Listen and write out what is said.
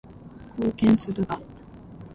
貢献するが